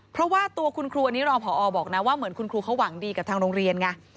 เพราะว่าตัวคุณครูอันนี้รองพอบอกนะว่าเหมือนคุณครูเขาหวังดีกับทางโรงเรียนไง